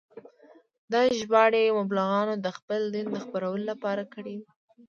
دا ژباړې مبلغانو د خپل دین د خپرولو لپاره کړې وې.